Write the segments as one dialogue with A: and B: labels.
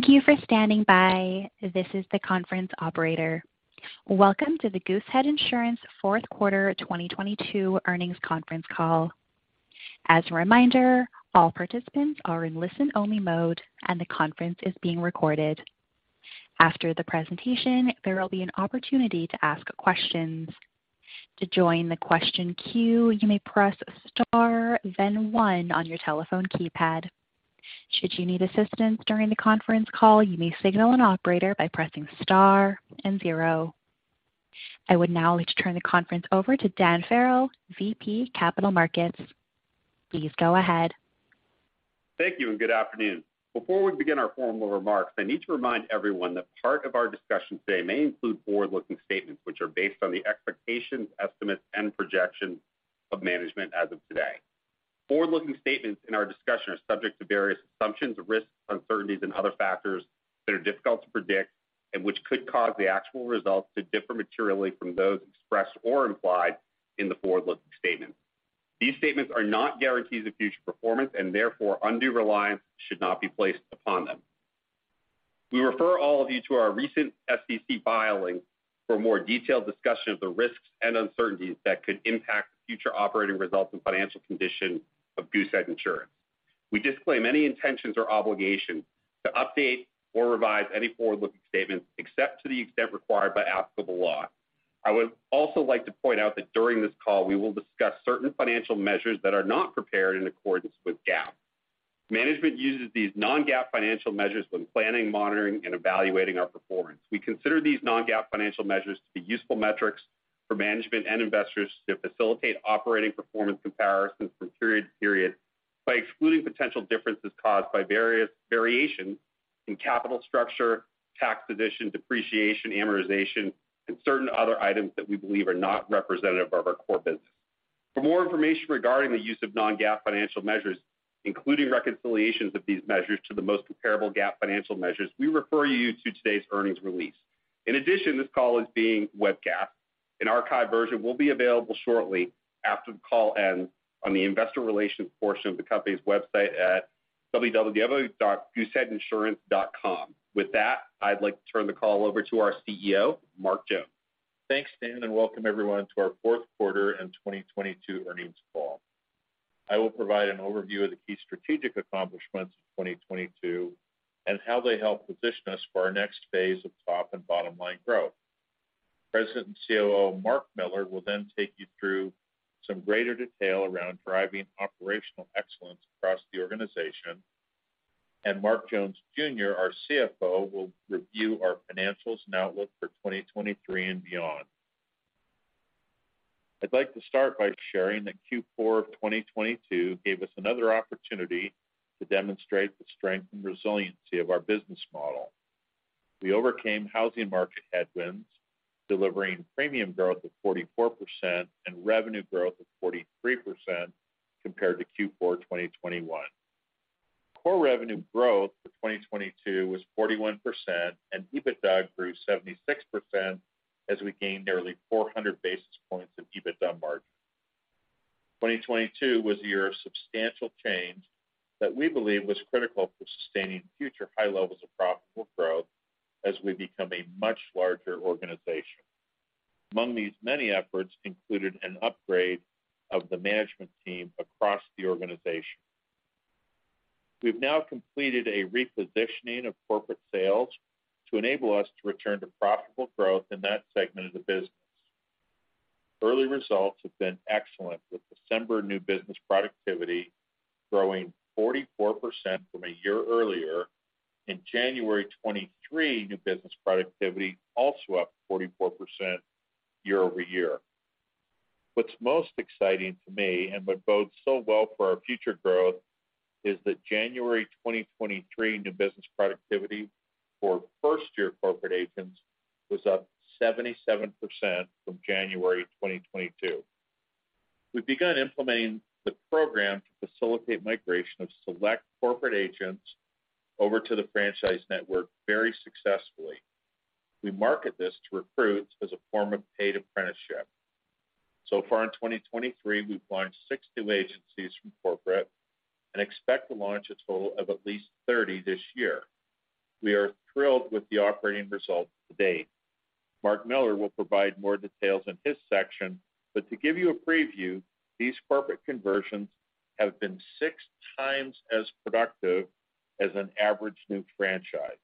A: Thank you for standing by. This is the conference operator. Welcome to the Goosehead Insurance fourth quarter 2022 earnings conference call. As a reminder, all participants are in listen-only mode, and the conference is being recorded. After the presentation, there will be an opportunity to ask questions. To join the question queue, you may press star then one on your telephone keypad. Should you need assistance during the conference call, you may signal an operator by pressing star and zero. I would now like to turn the conference over to Dan Farrell, VP, Capital Markets. Please go ahead.
B: Thank you. Good afternoon. Before we begin our formal remarks, I need to remind everyone that part of our discussion today may include forward-looking statements which are based on the expectations, estimates, and projections of management as of today. Forward-looking statements in our discussion are subject to various assumptions, risks, uncertainties, and other factors that are difficult to predict and which could cause the actual results to differ materially from those expressed or implied in the forward-looking statements. These statements are not guarantees of future performance and therefore undue reliance should not be placed upon them. We refer all of you to our recent SEC filing for more detailed discussion of the risks and uncertainties that could impact the future operating results and financial condition of Goosehead Insurance. We disclaim any intentions or obligation to update or revise any forward-looking statements except to the extent required by applicable law. I would also like to point out that during this call, we will discuss certain financial measures that are not prepared in accordance with GAAP. Management uses these non-GAAP financial measures when planning, monitoring, and evaluating our performance. We consider these non-GAAP financial measures to be useful metrics for management and investors to facilitate operating performance comparisons from period to period by excluding potential differences caused by various variations in capital structure, tax position, depreciation, amortization, and certain other items that we believe are not representative of our core business. For more information regarding the use of non-GAAP financial measures, including reconciliations of these measures to the most comparable GAAP financial measures, we refer you to today's earnings release. In addition, this call is being webcast. An archived version will be available shortly after the call ends on the investor relations portion of the company's website at www.gooseheadinsurance.com. I'd like to turn the call over to our CEO, Mark Jones.
C: Thanks, Dan, and welcome everyone to our fourth quarter and 2022 earnings call. I will provide an overview of the key strategic accomplishments of 2022 and how they help position us for our next phase of top and bottom-line growth. President and COO, Mark Miller, will take you through some greater detail around driving operational excellence across the organization. Mark Jones Jr., our CFO, will review our financials and outlook for 2023 and beyond. I'd like to start by sharing that Q4 of 2022 gave us another opportunity to demonstrate the strength and resiliency of our business model. We overcame housing market headwinds, delivering premium growth of 44% and revenue growth of 43% compared to Q4 2021. Core revenue growth for 2022 was 41%, and EBITDA grew 76% as we gained nearly 400 basis points of EBITDA margin. 2022 was a year of substantial change that we believe was critical for sustaining future high levels of profitable growth as we become a much larger organization. Among these many efforts included an upgrade of the management team across the organization. We've now completed a repositioning of corporate sales to enable us to return to profitable growth in that segment of the business. Early results have been excellent, with December new business productivity growing 44% from a year earlier, and January 2023 new business productivity also up 44% year-over-year. What's most exciting to me, what bodes so well for our future growth, is that January 2023 new business productivity for first-year corporate agents was up 77% from January 2022. We've begun implementing the program to facilitate migration of select corporate agents over to the franchise network very successfully. We market this to recruits as a form of paid apprenticeship. Far in 2023, we've launched six new agencies from corporate and expect to launch a total of at least 30 this year. We are thrilled with the operating results to date. Mark Miller will provide more details in his section, to give you a preview, these corporate conversions have been six times as productive as an average new franchise.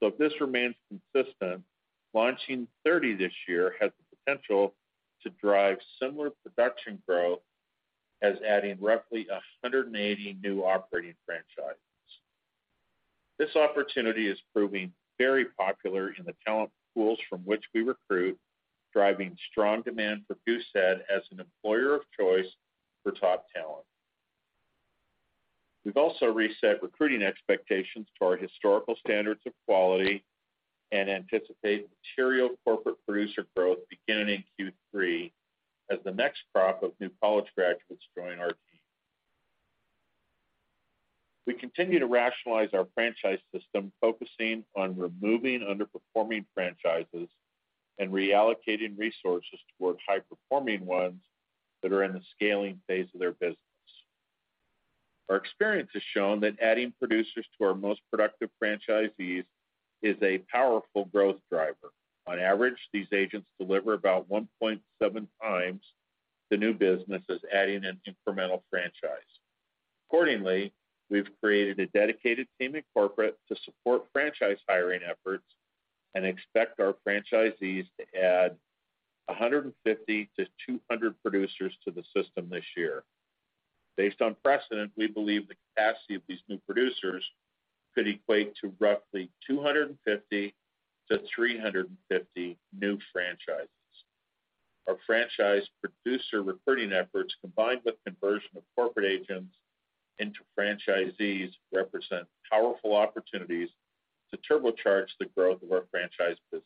C: If this remains consistent, launching 30 this year has the potential to drive similar production growth as adding roughly 180 new operating franchises. This opportunity is proving very popular in the talent pools from which we recruit, driving strong demand for Goosehead Insurance as an employer of choice for top talent. We've also reset recruiting expectations to our historical standards of quality and anticipate material corporate producer growth beginning in Q3 as the next crop of new college graduates join our team. We continue to rationalize our franchise system, focusing on removing underperforming franchises and reallocating resources toward high-performing ones that are in the scaling phase of their business. Our experience has shown that adding producers to our most productive franchisees is a powerful growth driver. On average, these agents deliver about 1.7 times the new business as adding an incremental franchise. Accordingly, we've created a dedicated team in corporate to support franchise hiring efforts and expect our franchisees to add 150-200 producers to the system this year. Based on precedent, we believe the capacity of these new producers could equate to roughly 250-350 new franchises. Our franchise producer recruiting efforts, combined with conversion of corporate agents into franchisees, represent powerful opportunities to turbocharge the growth of our franchise business.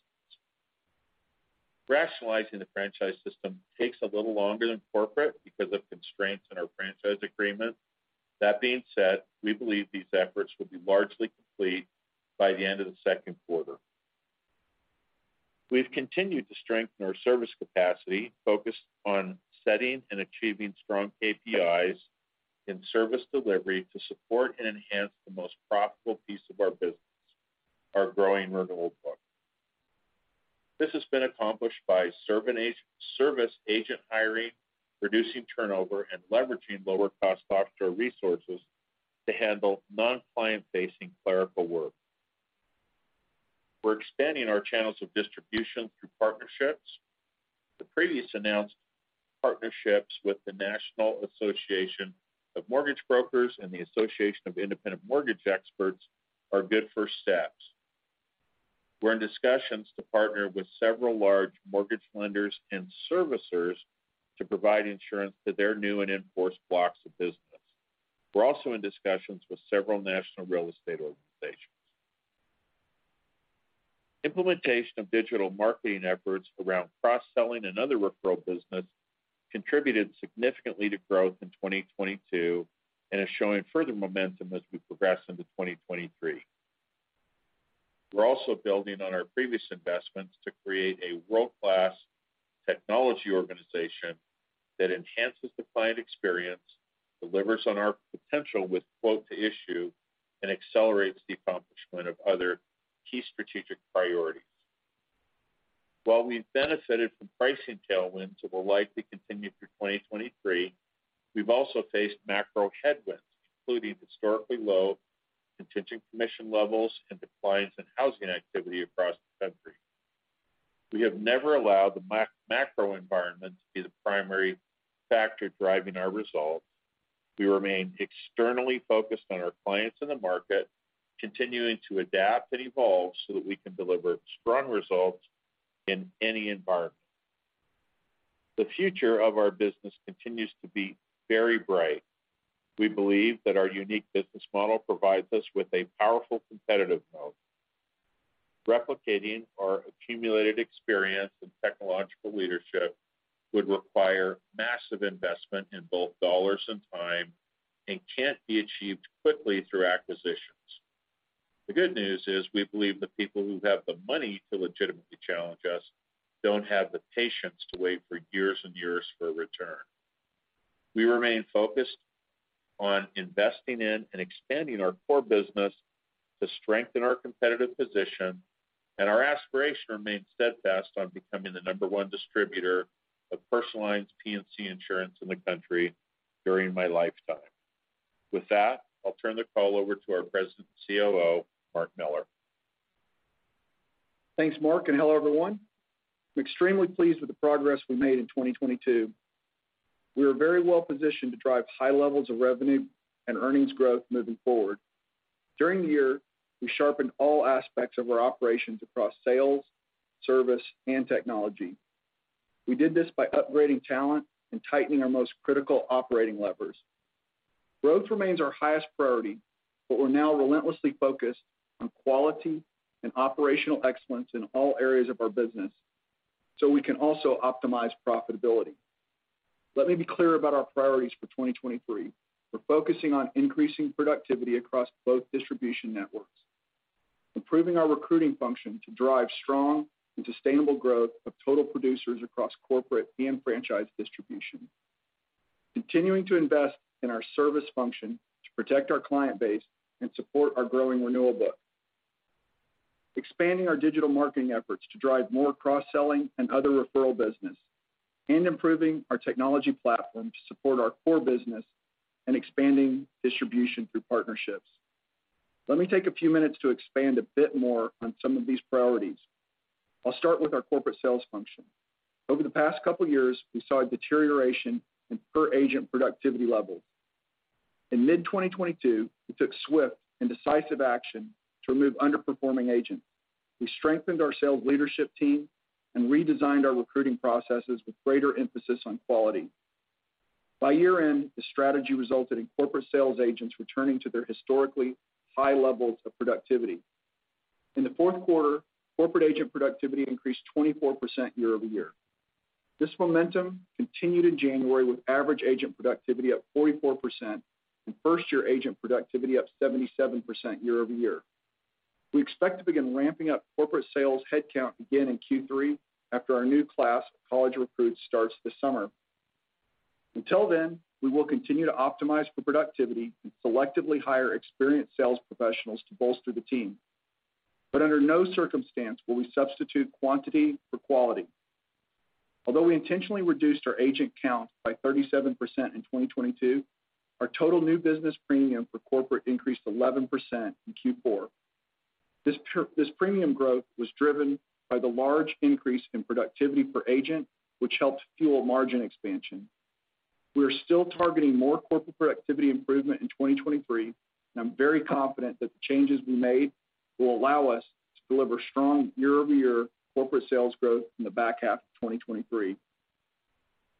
C: Rationalizing the franchise system takes a little longer than corporate because of constraints in our franchise agreement. That being said, we believe these efforts will be largely complete by the end of the second quarter. We've continued to strengthen our service capacity, focused on setting and achieving strong KPIs in service delivery to support and enhance the most profitable piece of our business, our growing renewal book. This has been accomplished by service agent hiring, reducing turnover, and leveraging lower cost offshore resources to handle non-client facing clerical work. We're expanding our channels of distribution through partnerships. The previous announced partnerships with the National Association of Mortgage Brokers and the Association of Independent Mortgage Experts are good first steps. We're in discussions to partner with several large mortgage lenders and servicers to provide insurance to their new and enforced blocks of business. We're also in discussions with several national real estate organizations. Implementation of digital marketing efforts around cross-selling and other referral business contributed significantly to growth in 2022 and is showing further momentum as we progress into 2023. We're also building on our previous investments to create a world-class technology organization that enhances the client experience, delivers on our potential with quote-to-issue, and accelerates the accomplishment of other key strategic priorities. While we've benefited from pricing tailwinds that will likely continue through 2023, we've also faced macro headwinds, including historically low contingent commission levels and declines in housing activity across the country. We have never allowed the macro environment to be the primary factor driving our results. We remain externally focused on our clients in the market, continuing to adapt and evolve so that we can deliver strong results in any environment. The future of our business continues to be very bright. We believe that our unique business model provides us with a powerful competitive moat. Replicating our accumulated experience and technological leadership would require massive investment in both dollars and time and can't be achieved quickly through acquisitions. The good news is we believe the people who have the money to legitimately challenge us don't have the patience to wait for years and years for a return. We remain focused on investing in and expanding our core business to strengthen our competitive position. Our aspiration remains steadfast on becoming the number one distributor of personal lines P&C insurance in the country during my lifetime. With that, I'll turn the call over to our President and COO, Mark Miller.
D: Thanks, Mark, and hello, everyone. I'm extremely pleased with the progress we made in 2022. We are very well positioned to drive high levels of revenue and earnings growth moving forward. During the year, we sharpened all aspects of our operations across sales, service, and technology. We did this by upgrading talent and tightening our most critical operating levers. Growth remains our highest priority, but we're now relentlessly focused on quality and operational excellence in all areas of our business, so we can also optimize profitability. Let me be clear about our priorities for 2023. We're focusing on increasing productivity across both distribution networks, improving our recruiting function to drive strong and sustainable growth of total producers across corporate and franchise distribution, continuing to invest in our service function to protect our client base and support our growing renewal book, expanding our digital marketing efforts to drive more cross-selling and other referral business, and improving our technology platform to support our core business and expanding distribution through partnerships. Let me take a few minutes to expand a bit more on some of these priorities. I'll start with our corporate sales function. Over the past couple years, we saw a deterioration in per agent productivity levels. In mid-2022, we took swift and decisive action to remove underperforming agents. We strengthened our sales leadership team and redesigned our recruiting processes with greater emphasis on quality. By year-end, the strategy resulted in corporate sales agents returning to their historically high levels of productivity. In the fourth quarter, corporate agent productivity increased 24% year-over-year. This momentum continued in January with average agent productivity up 44% and first-year agent productivity up 77% year-over-year. We expect to begin ramping up corporate sales headcount again in Q3 after our new class of college recruits starts this summer. Until then, we will continue to optimize for productivity and selectively hire experienced sales professionals to bolster the team. Under no circumstance will we substitute quantity for quality. Although we intentionally reduced our agent count by 37% in 2022, our total new business premium for corporate increased 11% in Q4. This premium growth was driven by the large increase in productivity per agent, which helped fuel margin expansion. We are still targeting more corporate productivity improvement in 2023. I'm very confident that the changes we made will allow us to deliver strong year-over-year corporate sales growth in the back half of 2023.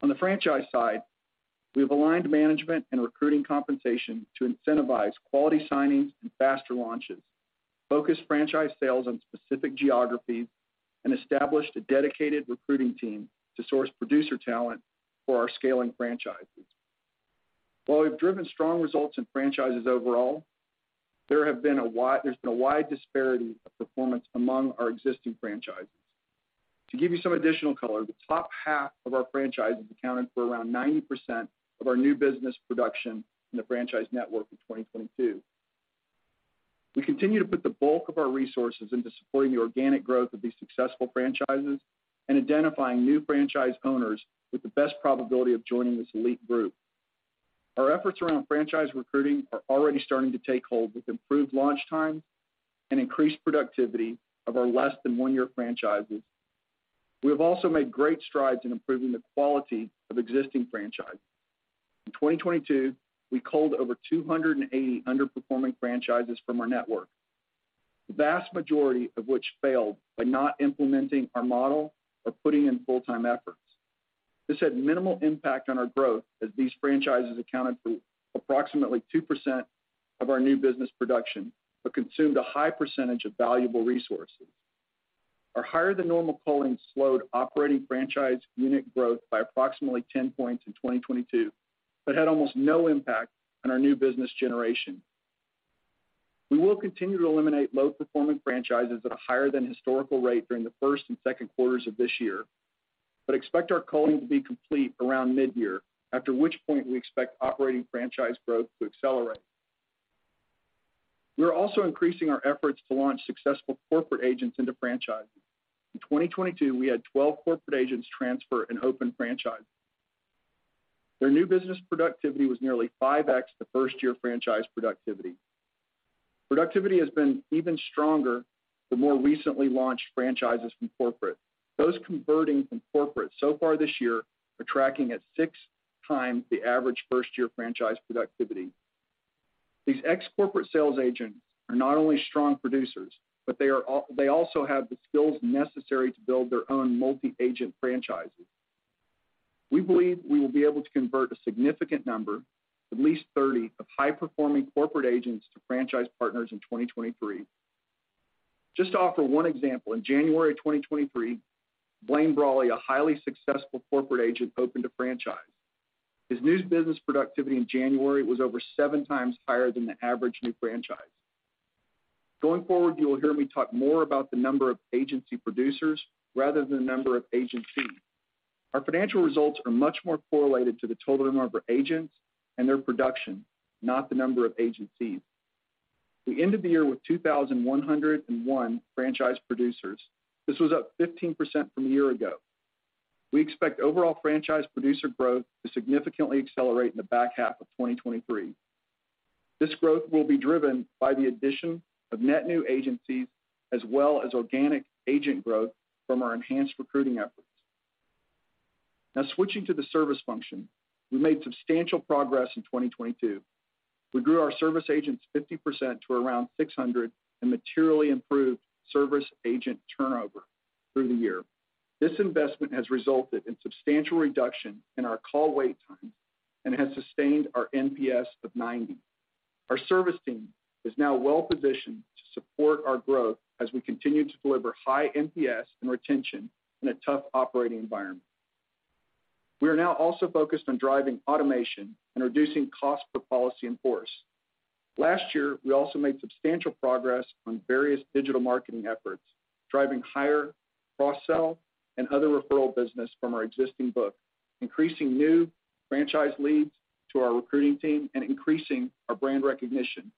D: On the franchise side, we have aligned management and recruiting compensation to incentivize quality signings and faster launches, focus franchise sales on specific geographies, and established a dedicated recruiting team to source producer talent for our scaling franchises. While we've driven strong results in franchises overall, there's been a wide disparity of performance among our existing franchises. To give you some additional color, the top half of our franchises accounted for around 90% of our new business production in the franchise network in 2022. We continue to put the bulk of our resources into supporting the organic growth of these successful franchises and identifying new franchise owners with the best probability of joining this elite group. Our efforts around franchise recruiting are already starting to take hold with improved launch time and increased productivity of our less than one-year franchises. We have also made great strides in improving the quality of existing franchises. In 2022, we culled over 280 underperforming franchises from our network, the vast majority of which failed by not implementing our model or putting in full-time efforts. This had minimal impact on our growth as these franchises accounted for approximately 2% of our new business production, but consumed a high percentage of valuable resources. Our higher than normal culling slowed operating franchise unit growth by approximately 10 points in 2022. Had almost no impact on our new business generation. We will continue to eliminate low performing franchises at a higher than historical rate during the first and second quarters of this year. Expect our culling to be complete around midyear, after which point we expect operating franchise growth to accelerate. We are also increasing our efforts to launch successful corporate agents into franchises. In 2022, we had 12 corporate agents transfer and open franchises. Their new business productivity was nearly 5x the first year franchise productivity. Productivity has been even stronger for more recently launched franchises from corporate. Those converting from corporate so far this year are tracking at 6 times the average first year franchise productivity. These ex-corporate sales agents are not only strong producers, but they also have the skills necessary to build their own multi-agent franchises. We believe we will be able to convert a significant number, at least 30, of high performing corporate agents to franchise partners in 2023. Just to offer one example, in January 2023, Blaine Brawley, a highly successful corporate agent, opened a franchise. His new business productivity in January was over 7 times higher than the average new franchise. Going forward, you will hear me talk more about the number of agency producers rather than the number of agencies. Our financial results are much more correlated to the total number of agents and their production, not the number of agencies. We ended the year with 2,101 franchise producers. This was up 15% from a year ago. We expect overall franchise producer growth to significantly accelerate in the back half of 2023. This growth will be driven by the addition of net new agencies as well as organic agent growth from our enhanced recruiting efforts. Switching to the service function. We made substantial progress in 2022. We grew our service agents 50% to around 600 and materially improved service agent turnover through the year. This investment has resulted in substantial reduction in our call wait times and has sustained our NPS of 90. Our service team is now well-positioned to support our growth as we continue to deliver high NPS and retention in a tough operating environment. We are now also focused on driving automation and reducing cost per policy in force. Last year, we also made substantial progress on various digital marketing efforts, driving higher cross-sell and other referral business from our existing book, increasing new franchise leads to our recruiting team, and increasing our brand recognition.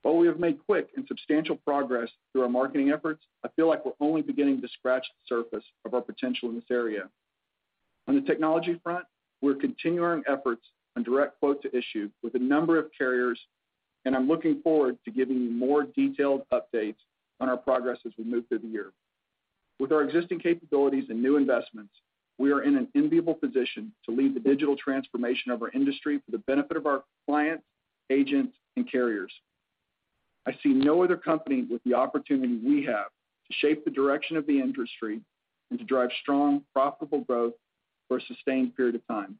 D: While we have made quick and substantial progress through our marketing efforts, I feel like we're only beginning to scratch the surface of our potential in this area. On the technology front, we're continuing efforts on direct quote-to-issue with a number of carriers, and I'm looking forward to giving you more detailed updates on our progress as we move through the year. With our existing capabilities and new investments, we are in an enviable position to lead the digital transformation of our industry for the benefit of our clients, agents, and carriers. I see no other company with the opportunity we have to shape the direction of the industry and to drive strong, profitable growth for a sustained period of time.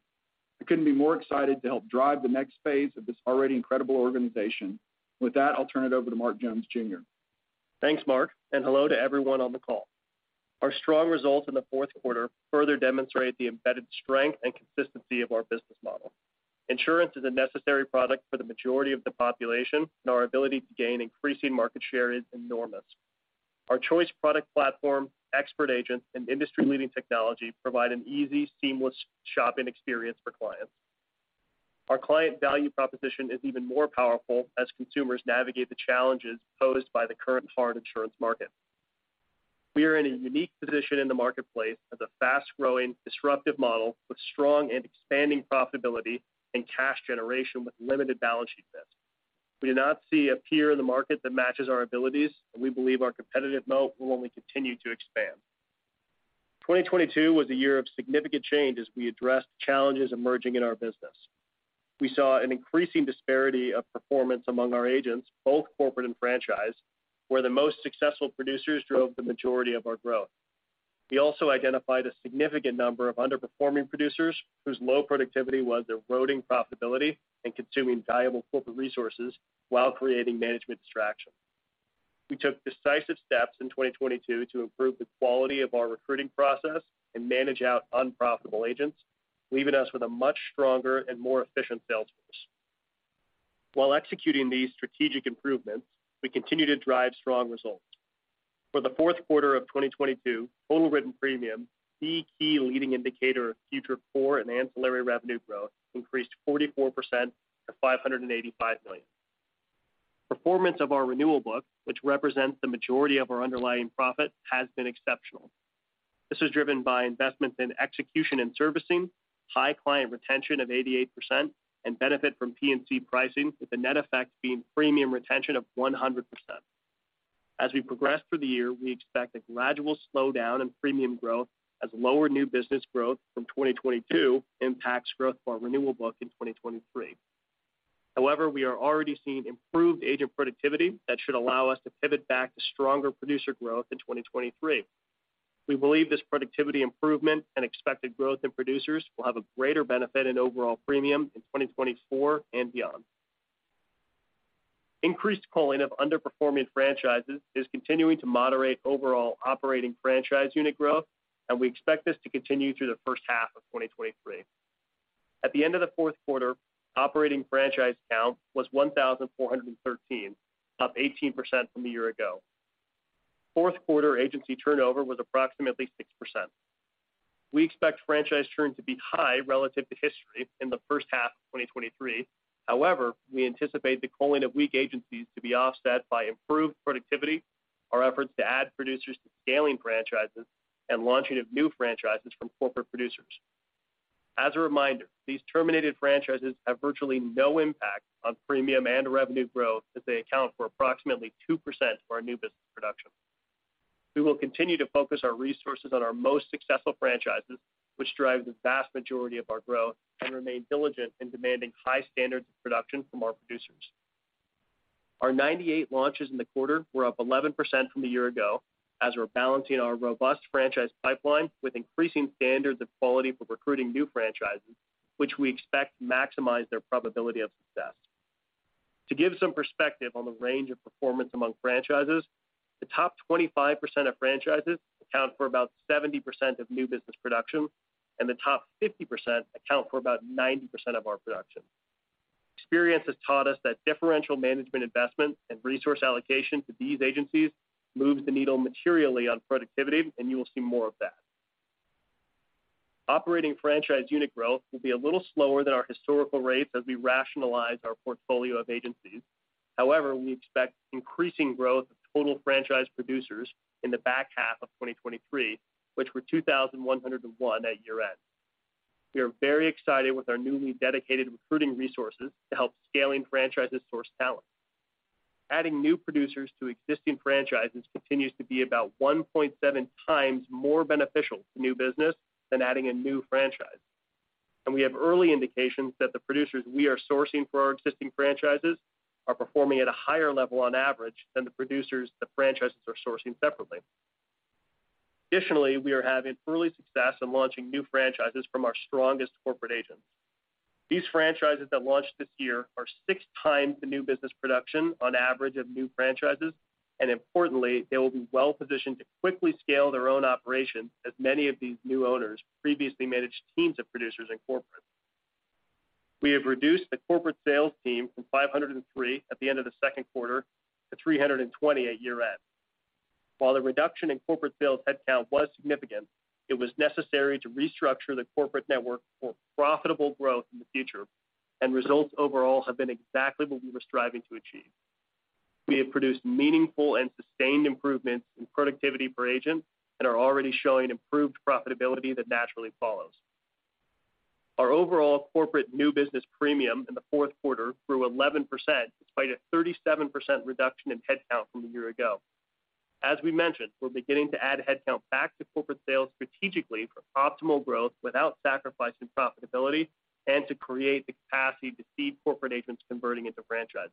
D: I couldn't be more excited to help drive the next phase of this already incredible organization. With that, I'll turn it over to Mark Jones Jr.
E: Thanks, Mark. Hello to everyone on the call. Our strong results in the fourth quarter further demonstrate the embedded strength and consistency of our business model. Insurance is a necessary product for the majority of the population. Our ability to gain increasing market share is enormous. Our choice product platform, expert agents, and industry-leading technology provide an easy, seamless shopping experience for clients. Our client value proposition is even more powerful as consumers navigate the challenges posed by the current hard insurance market. We are in a unique position in the marketplace as a fast-growing, disruptive model with strong and expanding profitability and cash generation with limited balance sheet risk. We do not see a peer in the market that matches our abilities. We believe our competitive moat will only continue to expand. 2022 was a year of significant change as we addressed challenges emerging in our business. We saw an increasing disparity of performance among our agents, both corporate and franchise, where the most successful producers drove the majority of our growth. We also identified a significant number of underperforming producers whose low productivity was eroding profitability and consuming valuable corporate resources while creating management distraction. We took decisive steps in 2022 to improve the quality of our recruiting process and manage out unprofitable agents, leaving us with a much stronger and more efficient sales force. While executing these strategic improvements, we continue to drive strong results. For the fourth quarter of 2022, total written premium, the key leading indicator of future core and ancillary revenue growth, increased 44% to $585 million. Performance of our renewal book, which represents the majority of our underlying profit, has been exceptional. This is driven by investments in execution and servicing, high client retention of 88%, and benefit from P&C pricing, with the net effect being premium retention of 100%. As we progress through the year, we expect a gradual slowdown in premium growth as lower new business growth from 2022 impacts growth for our renewal book in 2023. We are already seeing improved agent productivity that should allow us to pivot back to stronger producer growth in 2023. We believe this productivity improvement and expected growth in producers will have a greater benefit in overall premium in 2024 and beyond. Increased culling of underperforming franchises is continuing to moderate overall operating franchise unit growth, and we expect this to continue through the H1 of 2023. At the end of the fourth quarter, operating franchise count was 1,413, up 18% from a year ago. Fourth quarter agency turnover was approximately 6%. We expect franchise churn to be high relative to history in the H1 of 2023. However, we anticipate the culling of weak agencies to be offset by improved productivity, our efforts to add producers to scaling franchises, and launching of new franchises from corporate producers. As a reminder, these terminated franchises have virtually no impact on premium and revenue growth as they account for approximately 2% of our new business production. We will continue to focus our resources on our most successful franchises, which drive the vast majority of our growth, and remain diligent in demanding high standards of production from our producers. Our 98 launches in the quarter were up 11% from a year ago as we're balancing our robust franchise pipeline with increasing standards of quality for recruiting new franchises, which we expect maximize their probability of success. To give some perspective on the range of performance among franchises, the top 25% of franchises account for about 70% of new business production, and the top 50% account for about 90% of our production. Experience has taught us that differential management investment and resource allocation to these agencies moves the needle materially on productivity, and you will see more of that. Operating franchise unit growth will be a little slower than our historical rates as we rationalize our portfolio of agencies. However, we expect increasing growth of total franchise producers in the back half of 2023, which were 2,101 at year-end. We are very excited with our newly dedicated recruiting resources to help scaling franchises source talent. Adding new producers to existing franchises continues to be about 1.7 times more beneficial to new business than adding a new franchise. We have early indications that the producers we are sourcing for our existing franchises are performing at a higher level on average than the producers the franchises are sourcing separately. We are having early success in launching new franchises from our strongest corporate agents. These franchises that launched this year are 6 times the new business production on average of new franchises. Importantly, they will be well-positioned to quickly scale their own operations as many of these new owners previously managed teams of producers in corporate. We have reduced the corporate sales team from 503 at the end of the second quarter to 320 at year-end. While the reduction in corporate sales headcount was significant, it was necessary to restructure the corporate network for profitable growth in the future, and results overall have been exactly what we were striving to achieve. We have produced meaningful and sustained improvements in productivity for agents and are already showing improved profitability that naturally follows. Our overall corporate new business premium in the fourth quarter grew 11% despite a 37% reduction in headcount from a year ago. As we mentioned, we're beginning to add headcount back to corporate sales strategically for optimal growth without sacrificing profitability and to create the capacity to see corporate agents converting into franchises.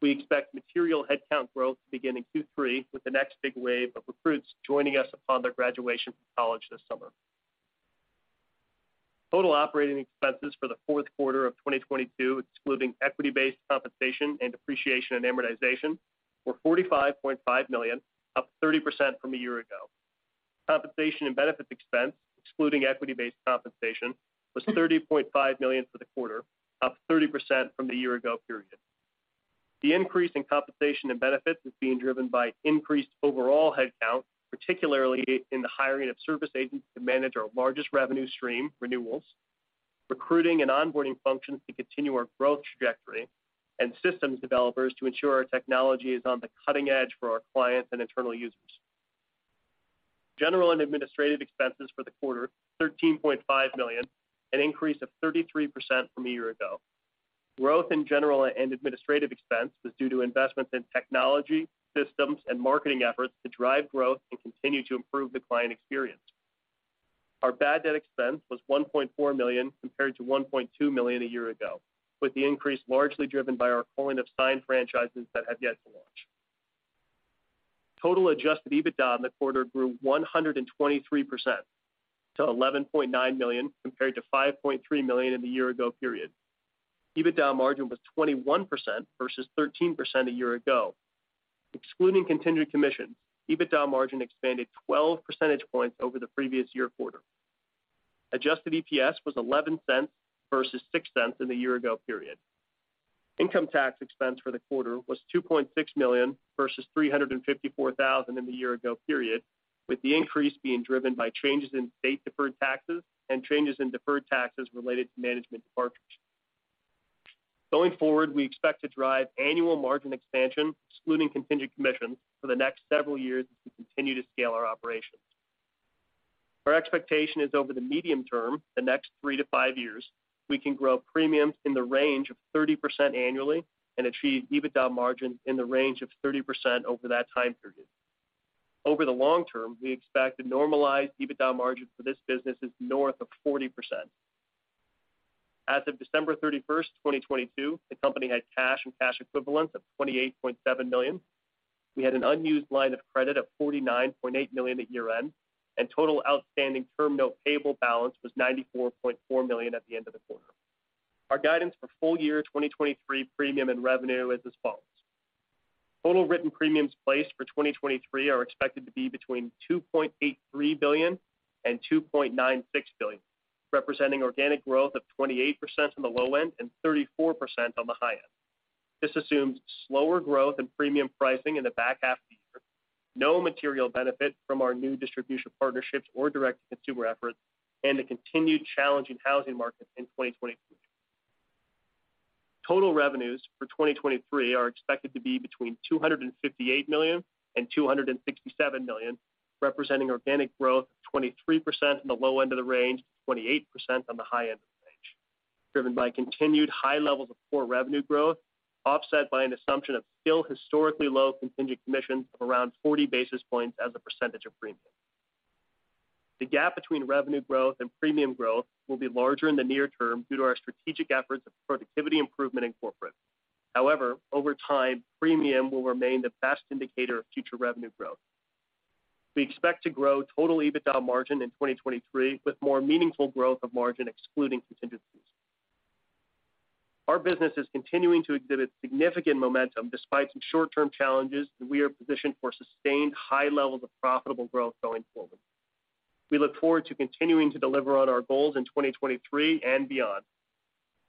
E: We expect material headcount growth beginning Q3 with the next big wave of recruits joining us upon their graduation from college this summer. Total operating expenses for the fourth quarter of 2022, excluding equity-based compensation and depreciation and amortization, were $45.5 million, up 30% from a year ago. Compensation and benefits expense, excluding equity-based compensation, was $30.5 million for the quarter, up 30% from the year ago period. The increase in compensation and benefits is being driven by increased overall headcount, particularly in the hiring of service agents to manage our largest revenue stream, renewals, recruiting and onboarding functions to continue our growth trajectory, and systems developers to ensure our technology is on the cutting edge for our clients and internal users. General and administrative expenses for the quarter, $13.5 million, an increase of 33% from a year ago. Growth in general and administrative expense was due to investments in technology, systems and marketing efforts to drive growth and continue to improve the client experience. Our bad debt expense was $1.4 million compared to $1.2 million a year ago, with the increase largely driven by our culling of signed franchises that have yet to launch. Total adjusted EBITDA in the quarter grew 123% to $11.9 million compared to $5.3 million in the year ago period. EBITDA margin was 21% versus 13% a year ago. Excluding contingent commissions, EBITDA margin expanded 12 percentage points over the previous year quarter. Adjusted EPS was $0.11 versus $0.06 in the year ago period. Income tax expense for the quarter was $2.6 million versus $354,000 in the year ago period, with the increase being driven by changes in state deferred taxes and changes in deferred taxes related to management departures. Going forward, we expect to drive annual margin expansion, excluding contingent commissions, for the next several years as we continue to scale our operations. Our expectation is over the medium term, the next 3-5 years, we can grow premiums in the range of 30% annually and achieve EBITDA margin in the range of 30% over that time period. Over the long term, we expect the normalized EBITDA margin for this business is north of 40%. As of December 31, 2022, the company had cash and cash equivalents of $28.7 million. We had an unused line of credit of $49.8 million at year-end, and total outstanding term note payable balance was $94.4 million at the end of the quarter. Our guidance for full year 2023 premium and revenue is as follows. Total written premiums placed for 2023 are expected to be between $2.83 billion and $2.96 billion, representing organic growth of 28% on the low end and 34% on the high end. This assumes slower growth in premium pricing in the back half of the year, no material benefit from our new distribution partnerships or direct-to-consumer efforts, and a continued challenging housing market in 2023. Total revenues for 2023 are expected to be between $258 million and $267 million, representing organic growth of 23% on the low end of the range, 28% on the high end of the range, driven by continued high levels of core revenue growth, offset by an assumption of still historically low contingent commissions of around 40 basis points as a percentage of premium. The gap between revenue growth and premium growth will be larger in the near term due to our strategic efforts of productivity improvement in corporate. Over time, premium will remain the best indicator of future revenue growth. We expect to grow total EBITDA margin in 2023 with more meaningful growth of margin excluding contingencies. Our business is continuing to exhibit significant momentum despite some short-term challenges, and we are positioned for sustained high levels of profitable growth going forward. We look forward to continuing to deliver on our goals in 2023 and beyond.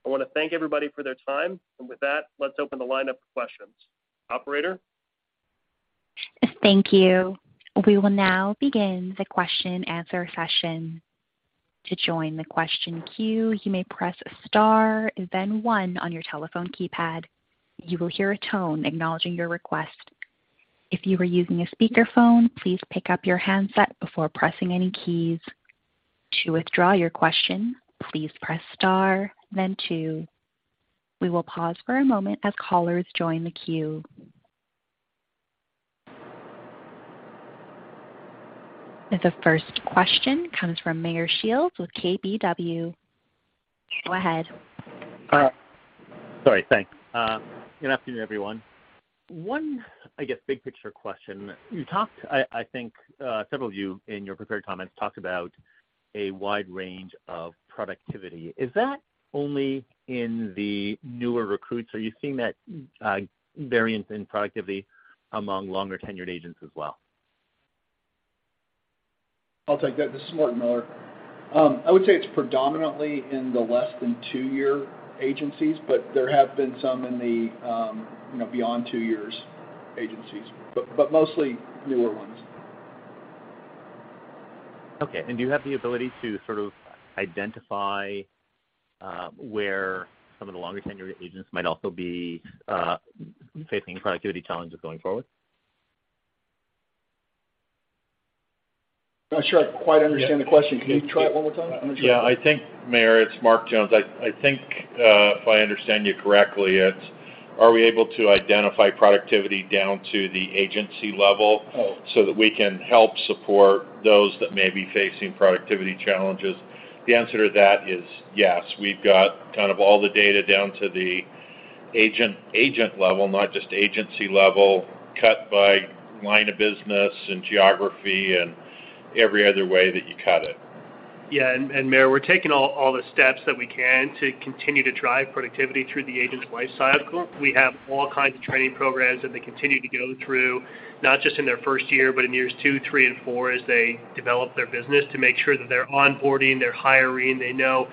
E: I want to thank everybody for their time. With that, let's open the line up for questions. Operator?
A: Thank you. We will now begin the question and answer session. To join the question queue, you may press star then one on your telephone keypad. You will hear a tone acknowledging your request. If you are using a speakerphone, please pick up your handset before pressing any keys. To withdraw your question, please press star then two. We will pause for a moment as callers join the queue. The first question comes from Meyer Shields with KBW. Go ahead.
F: Sorry, thanks. Good afternoon, everyone. One, I guess, big picture question. You talked, I think, several of you in your prepared comments talked about a wide range of productivity. Is that only in the newer recruits? Are you seeing that variance in productivity among longer-tenured agents as well?
D: I'll take that. This is Mark Miller. I would say it's predominantly in the less than two-year agencies, but there have been some in the, you know, beyond two years agencies, but mostly newer ones.
F: Okay. Do you have the ability to sort of identify, where some of the longer tenured agents might also be facing productivity challenges going forward?
D: Not sure I quite understand the question. Can you try it one more time?
E: Yeah, I think, Meyer Shields, it's Mark Jones. I think, if I understand you correctly, it's are we able to identify productivity down to the agency level-
F: Oh.
E: That we can help support those that may be facing productivity challenges? The answer to that is yes. We've got kind of all the data down to the
C: Agent, agent level, not just agency level, cut by line of business and geography and every other way that you cut it.
E: Meyer, we're taking all the steps that we can to continue to drive productivity through the agent's life cycle. We have all kinds of training programs that they continue to go through, not just in their first year, but in years two, three, and four as they develop their business to make sure that they're onboarding, they're hiring, they know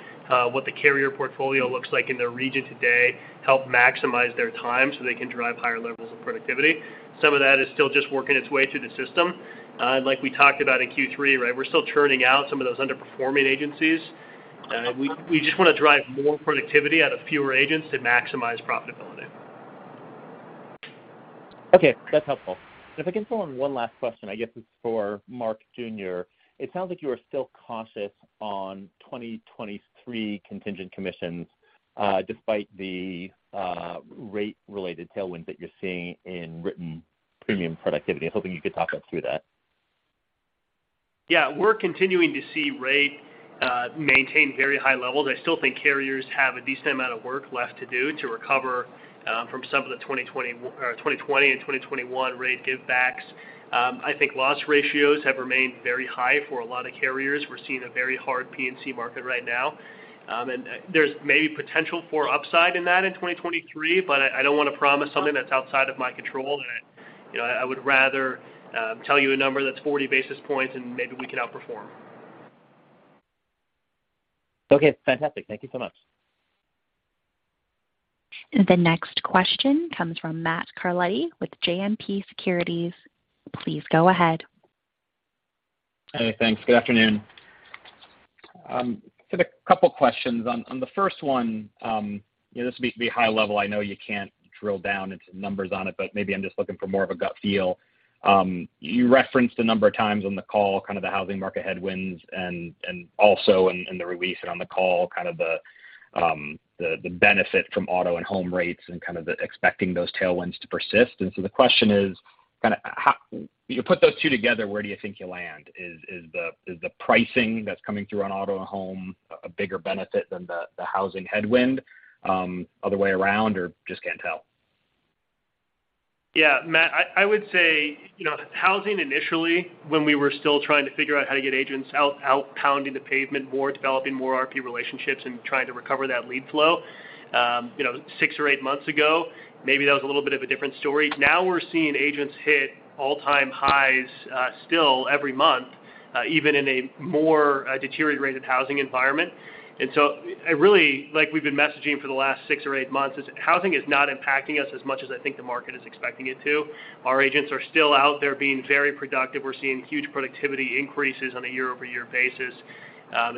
E: what the carrier portfolio looks like in their region today, help maximize their time so they can drive higher levels of productivity. Some of that is still just working its way through the system. Like we talked about in Q3, right? We're still churning out some of those underperforming agencies. We just wanna drive more productivity out of fewer agents to maximize profitability.
F: Okay, that's helpful. If I can follow on one last question, I guess it's for Mark Junior. It sounds like you are still cautious on 2023 contingent commissions, despite the rate related tailwinds that you're seeing in written premium productivity. I was hoping you could talk us through that.
E: We're continuing to see rate maintain very high levels. I still think carriers have a decent amount of work left to do to recover from some of the 2020 and 2021 rate give backs. I think loss ratios have remained very high for a lot of carriers. We're seeing a very hard P&C market right now. There's maybe potential for upside in that in 2023, but I don't wanna promise something that's outside of my control. You know, I would rather tell you a number that's 40 basis points and maybe we can outperform.
F: Okay, fantastic. Thank you so much.
A: The next question comes from Matt Carletti with JMP Securities. Please go ahead.
G: Hey, thanks. Good afternoon. Just a couple questions. On the first one, you know, this would be high level. I know you can't drill down into numbers on it, but maybe I'm just looking for more of a gut feel. You referenced a number of times on the call kind of the housing market headwinds and also in the release and on the call kind of the benefit from auto and home rates and kind of the expecting those tailwinds to persist. The question is kind of how you put those two together, where do you think you'll land? Is the pricing that's coming through on auto and home a bigger benefit than the housing headwind, other way around, or just can't tell?
E: Yeah. Matt, I would say, you know, housing initially, when we were still trying to figure out how to get agents out pounding the pavement more, developing more RP relationships and trying to recover that lead flow, you know, 6 or 8 months ago, maybe that was a little bit of a different story. Now we're seeing agents hit all-time highs, still every month, even in a more deteriorated housing environment. Like we've been messaging for the last 6 or 8 months, is housing is not impacting us as much as I think the market is expecting it to. Our agents are still out there being very productive. We're seeing huge productivity increases on a year-over-year basis,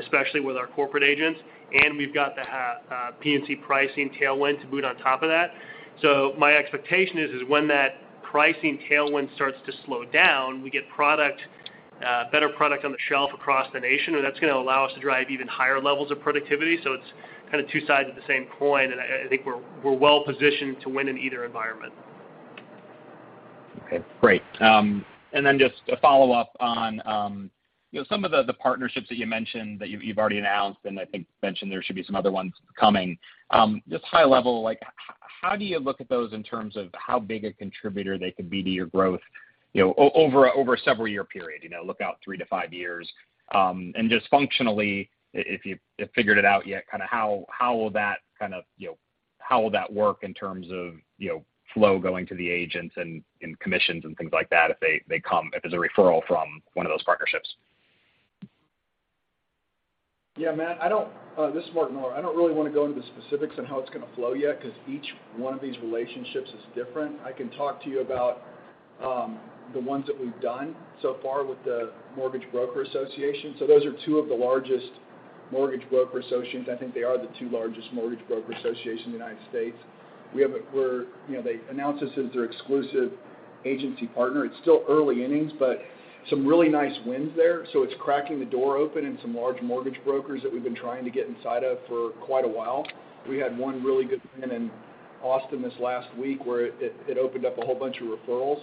E: especially with our corporate agents. We've got the P&C pricing tailwind to boot on top of that. My expectation is when that pricing tailwind starts to slow down, we get product, better product on the shelf across the nation, and that's gonna allow us to drive even higher levels of productivity. It's kinda two sides of the same coin, and I think we're well positioned to win in either environment.
G: Okay, great. Just a follow-up on, you know, some of the partnerships that you mentioned that you've already announced, and I think you mentioned there should be some other ones coming. Just high level, like how do you look at those in terms of how big a contributor they could be to your growth, you know, over a several year period? You know, look out three-five years. Just functionally, if you've figured it out yet, how will that kind of, you know, how will that work in terms of, you know, flow going to the agents and commissions and things like that if there's a referral from one of those partnerships?
C: Yeah. Matt, I don't. This is Mark Miller. I don't really wanna go into the specifics on how it's gonna flow yet 'cause each one of these relationships is different. I can talk to you about the ones that we've done so far with the Mortgage Bankers Association. Those are two of the largest mortgage broker associations. I think they are the two largest mortgage broker associations in the United States. You know, they announced us as their exclusive agency partner. It's still early innings, but some really nice wins there. It's cracking the door open in some large mortgage brokers that we've been trying to get inside of for quite a while. We had one really good win in Austin this last week where it opened up a whole bunch of referrals.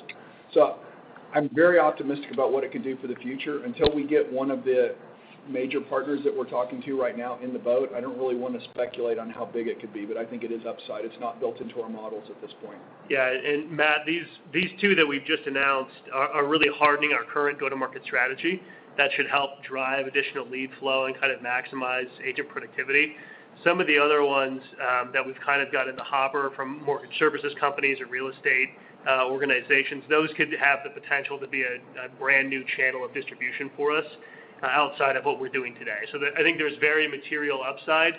C: I'm very optimistic about what it could do for the future. Until we get one of the major partners that we're talking to right now in the boat, I don't really wanna speculate on how big it could be, but I think it is upside. It's not built into our models at this point.
E: Yeah. Matt, these two that we've just announced are really hardening our current go-to-market strategy. That should help drive additional lead flow and kind of maximize agent productivity. Some of the other ones that we've kind of got in the hopper from mortgage services companies or real estate organizations, those could have the potential to be a brand new channel of distribution for us outside of what we're doing today. I think there's very material upside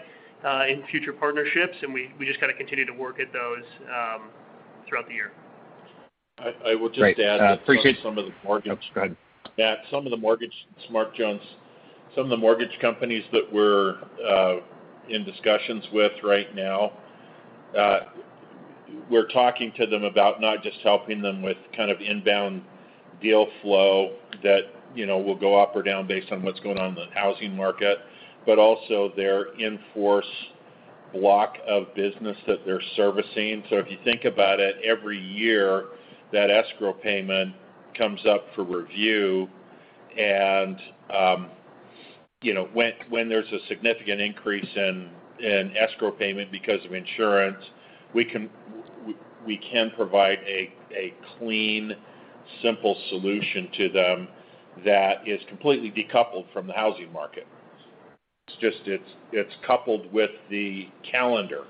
E: in future partnerships, and we just gotta continue to work at those throughout the year.
C: I will just add that some of the mortgage-
G: Great. Oops, go ahead.
C: Matt, some of the mortgage... This is Mark Jones. Some of the mortgage companies that we're in discussions with right now, we're talking to them about not just helping them with kind of inbound deal flow that, you know, will go up or down based on what's going on in the housing market, but also their in-force block of business that they're servicing. If you think about it, every year, that escrow payment comes up for review, and
D: You know, when there's a significant increase in escrow payment because of insurance, we can provide a clean, simple solution to them that is completely decoupled from the housing market. It's just, it's coupled with the calendar,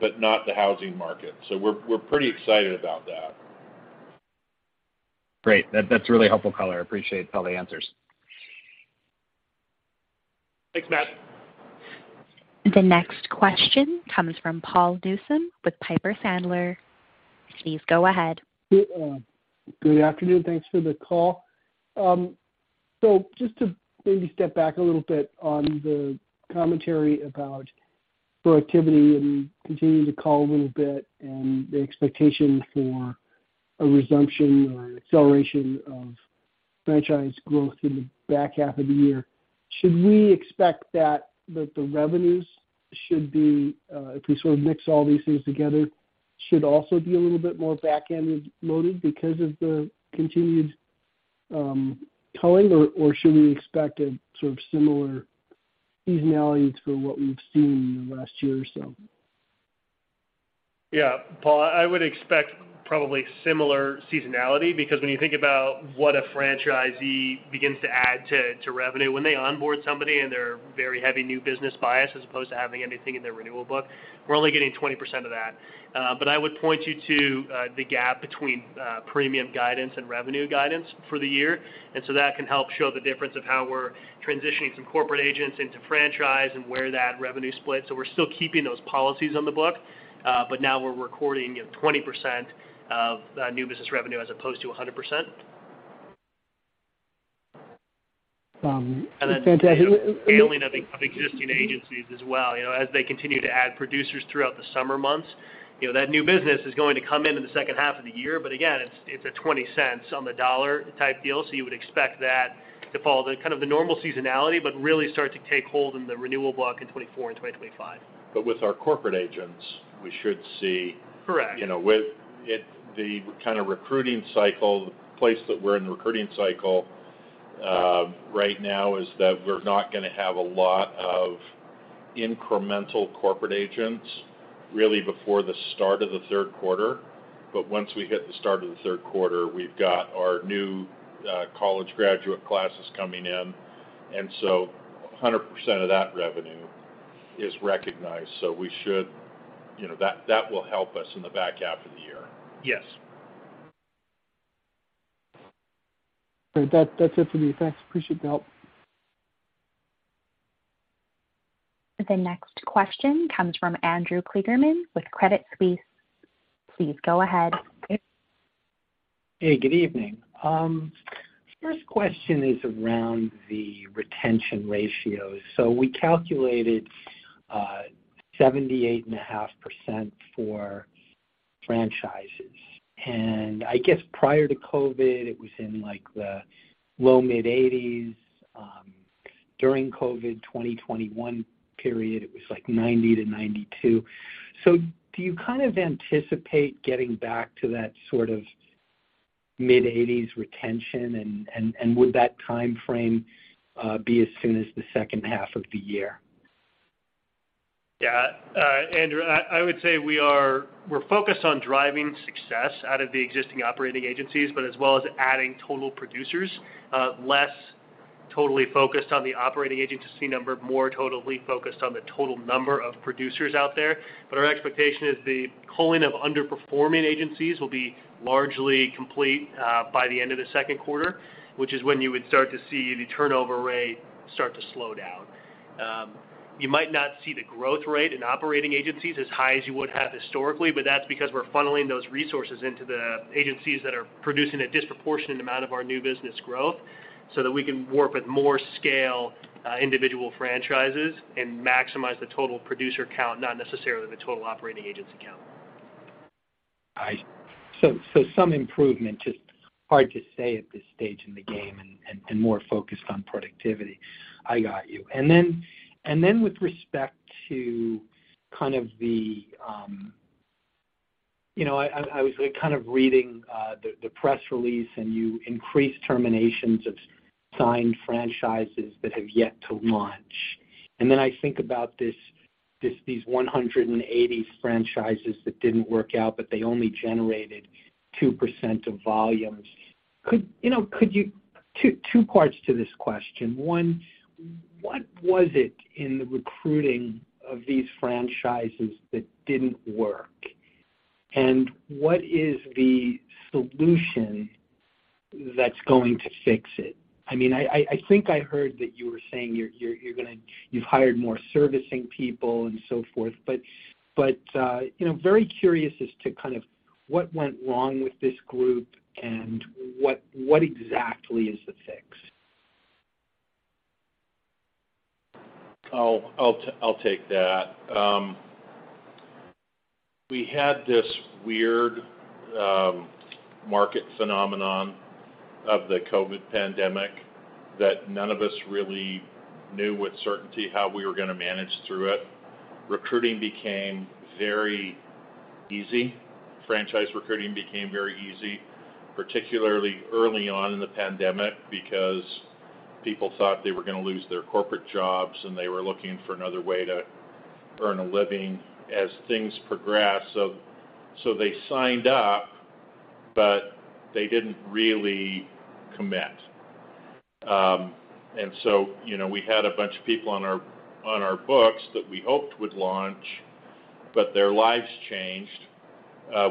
D: but not the housing market. We're pretty excited about that.
G: Great. That's really helpful color. I appreciate all the answers.
E: Thanks, Matt.
A: The next question comes from Paul Newsome with Piper Sandler. Please go ahead.
H: Good afternoon. Thanks for the call. Just to maybe step back a little bit on the commentary about productivity and continuing to call a little bit and the expectation for a resumption or an acceleration of franchise growth in the back half of the year. Should we expect that the revenues should be, if we sort of mix all these things together, should also be a little bit more back-ended loaded because of the continued culling? Should we expect a sort of similar seasonality to what we've seen in the last year or so?
E: Yeah, Paul, I would expect probably similar seasonality, because when you think about what a franchisee begins to add to revenue, when they onboard somebody and they're very heavy new business bias as opposed to having anything in their renewal book, we're only getting 20% of that. But I would point you to the gap between premium guidance and revenue guidance for the year. That can help show the difference of how we're transitioning some corporate agents into franchise and where that revenue splits. We're still keeping those policies on the book, but now we're recording, you know, 20% of new business revenue as opposed to 100%.
H: That's fantastic.
E: The scaling of existing agencies as well. You know, as they continue to add producers throughout the summer months, you know, that new business is going to come in in the H2 of the year. But again, it's a twenty cents on the dollar type deal, so you would expect that to follow the kind of the normal seasonality, but really start to take hold in the renewal book in 2024 and 2025.
D: With our corporate agents, we should see-
E: Correct...
D: you know, with it, the kind of recruiting cycle, the place that we're in the recruiting cycle, right now is that we're not gonna have a lot of incremental corporate agents really before the start of the third quarter. Once we hit the start of the third quarter, we've got our new college graduate classes coming in, and so 100% of that revenue is recognized. You know, that will help us in the back half of the year.
E: Yes.
H: All right. That's it for me. Thanks. Appreciate the help.
A: The next question comes from Andrew Kligerman with Credit Suisse. Please go ahead.
I: Hey. Good evening. First question is around the retention ratios. We calculated 78.5% for franchises. I guess prior to COVID, it was in, like, the low-mid 80s. During COVID, 2021 period, it was, like, 90-92. Do you kind of anticipate getting back to that sort of mid-80s retention? Would that timeframe be as soon as the H2 of the year?
E: Andrew, I would say we're focused on driving success out of the existing operating agencies, but as well as adding total producers. Less totally focused on the operating agency number, more totally focused on the total number of producers out there. Our expectation is the culling of underperforming agencies will be largely complete by the end of the second quarter, which is when you would start to see the turnover rate start to slow down. You might not see the growth rate in operating agencies as high as you would have historically, but that's because we're funneling those resources into the agencies that are producing a disproportionate amount of our new business growth, so that we can work with more scale, individual franchises and maximize the total producer count, not necessarily the total operating agency count.
I: Some improvement, just hard to say at this stage in the game and more focused on productivity. I got you. With respect to kind of the, you know, I was kind of reading the press release, you increased terminations of signed franchises that have yet to launch. I think about this, these 180 franchises that didn't work out, but they only generated 2% of volumes. You know, two parts to this question. One, what was it in the recruiting of these franchises that didn't work? What is the solution that's going to fix it? I mean, I think I heard that you were saying you've hired more servicing people and so forth. you know, very curious as to kind of what went wrong with this group and what exactly is the fix?
D: I'll take that. We had this weird market phenomenon of the COVID pandemic that none of us really knew with certainty how we were gonna manage through it. Recruiting became very easy. Franchise recruiting became very easy, particularly early on in the pandemic because people thought they were gonna lose their corporate jobs, and they were looking for another way to earn a living as things progressed. They signed up, but they didn't really commit. You know, we had a bunch of people on our books that we hoped would launch, but their lives changed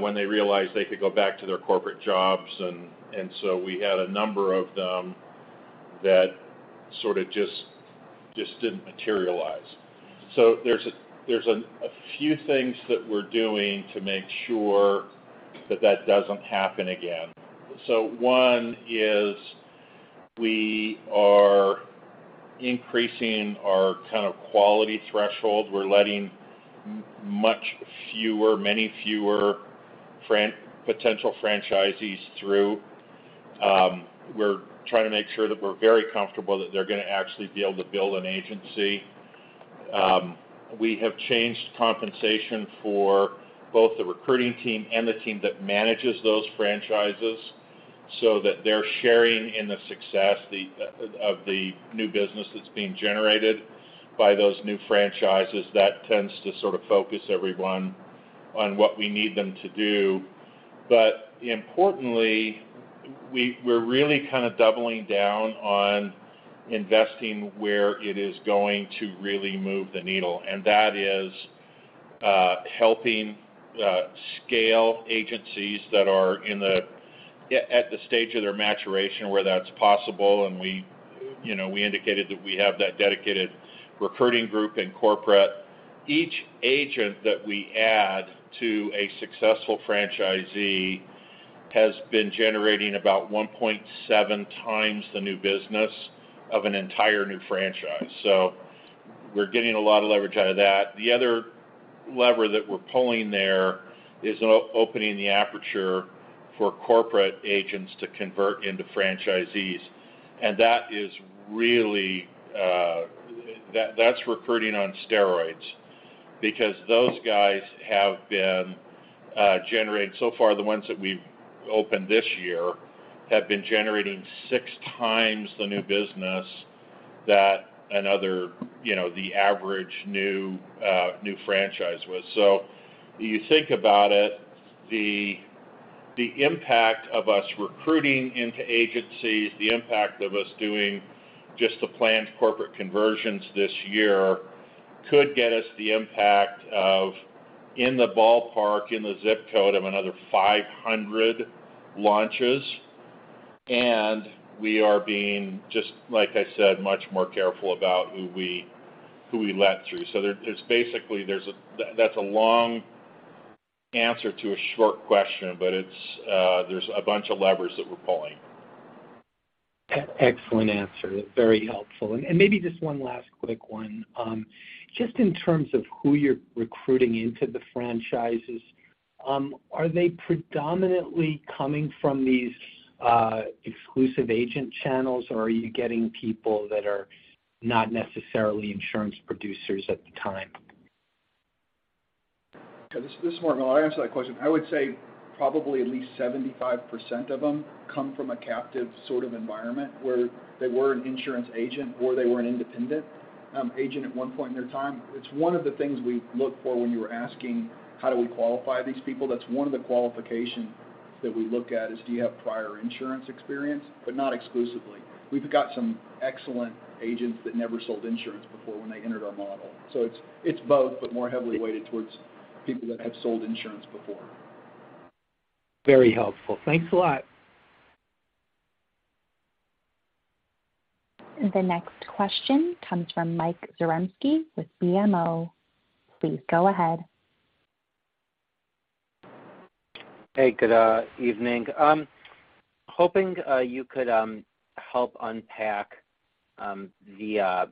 D: when they realized they could go back to their corporate jobs. We had a number of them that sorta just didn't materialize. There's a few things that we're doing to make sure that that doesn't happen again. One is we are increasing our kind of quality threshold. We're letting many fewer potential franchisees through. We're trying to make sure that we're very comfortable that they're gonna actually be able to build an agency. We have changed compensation for both the recruiting team and the team that manages those franchises so that they're sharing in the success of the new business that's being generated by those new franchises. That tends to sort of focus everyone on what we need them to do. Importantly, we're really kind of doubling down on investing where it is going to really move the needle, and that is, helping scale agencies that are in the... at the stage of their maturation where that's possible, and we, you know, we indicated that we have that dedicated recruiting group and corporate. Each agent that we add to a successful franchisee has been generating about 1.7 times the new business of an entire new franchise. We're getting a lot of leverage out of that. The other lever that we're pulling there is opening the aperture for corporate agents to convert into franchisees. That is really, that's recruiting on steroids because those guys have been generating. So far, the ones that we've opened this year have been generating 6 times the new business that another, you know, the average new franchise was. You think about it, the impact of us recruiting into agencies, the impact of us doing just the planned corporate conversions this year could get us the impact of in the ballpark, in the ZIP code of another 500 launches. We are being just, like I said, much more careful about who we let through. There's basically that's a long answer to a short question, but it's, there's a bunch of levers that we're pulling.
I: Excellent answer. Very helpful. Maybe just one last quick one. Just in terms of who you're recruiting into the franchises, are they predominantly coming from these exclusive agent channels, or are you getting people that are not necessarily insurance producers at the time?
D: This is Mark Miller. I'll answer that question. I would say probably at least 75% of them come from a captive sort of environment, where they were an insurance agent or they were an independent agent at one point in their time. It's one of the things we look for when you were asking, how do we qualify these people? That's one of the qualifications that we look at is, do you have prior insurance experience? Not exclusively. We've got some excellent agents that never sold insurance before when they entered our model. It's, it's both, but more heavily weighted towards people that have sold insurance before.
I: Very helpful. Thanks a lot.
A: The next question comes from Mike Zarembski with BMO. Please go ahead.
J: Hey, good evening. Hoping you could help unpack the